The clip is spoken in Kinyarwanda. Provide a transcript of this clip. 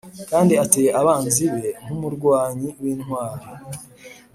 kandi ateye abanzi be nk’umurwanyi w’intwari.